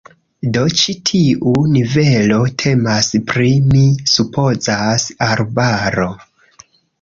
Do ĉi tiu nivelo temas pri, mi supozas, arbaro.